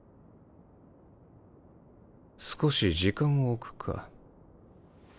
少し時間を置くか。